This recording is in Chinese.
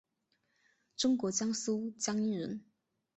中国江苏江阴人。